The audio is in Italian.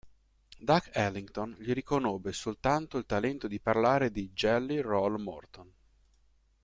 Duke Ellington gli riconobbe soltanto "il talento di parlare di Jelly Roll Morton".